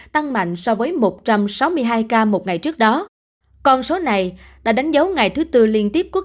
tăng mạnh so với một trăm sáu mươi hai ca một ngày trước đó con số này đã đánh dấu ngày thứ tư liên tiếp quốc